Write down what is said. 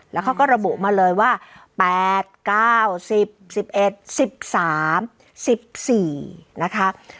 แล้วเขาก็ระบุมาเลยว่า๘๙๑๐๑๑๑๑๓๑๔นะคะ